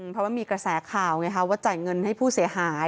เพราะว่ามีกระแสข่าวไงคะว่าจ่ายเงินให้ผู้เสียหาย